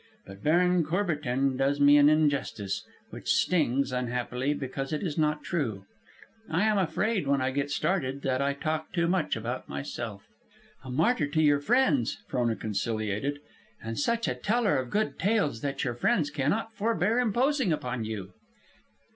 But Baron Courbertin does me an injustice, which stings, unhappily, because it is not true. I am afraid, when I get started, that I talk too much about myself." "A martyr to your friends," Frona conciliated. "And such a teller of good tales that your friends cannot forbear imposing upon you."